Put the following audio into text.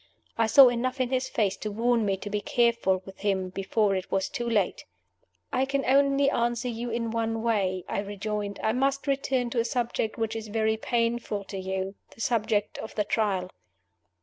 I saw enough in his face to warn me to be careful with him before it was too late. "I can only answer you in one way," I rejoined. "I must return to a subject which is very painful to you the subject of the Trial."